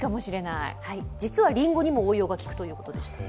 実はりんごにも応用が利くということです。